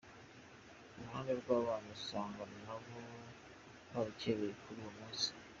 Ku ruhande rw’abana, usanga na bo babukereye kuri uwo munsi.